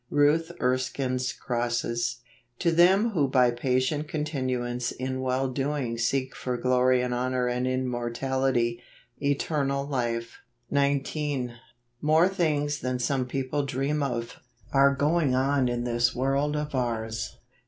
Ruth Erskine's Crosses. " To them who by patient continuance in well doing seek for glory and honor and immortality, eternal life." 80 JULY. 10. More things than some people dream of, are going on in this world of ours.